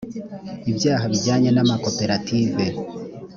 ibyaha bijyanye n’amakoperative